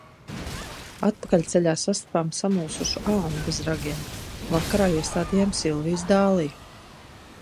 Atpakaļceļā sastapām samulsušu alni bez ragiem. Vakarā iestādījām Silvijas dāliju.